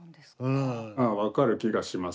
あ分かる気がします。